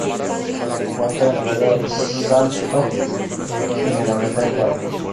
Se encuentra en el área del de Salto en el noroeste del país.